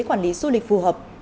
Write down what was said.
quản lý du lịch phù hợp